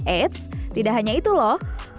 eits tidak hanya itu loh